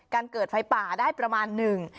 เกิดไฟป่าได้ประมาณหนึ่ง